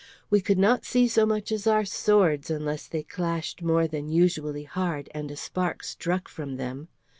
We could not see so much as our swords unless they clashed more than usually hard, and a spark struck from them.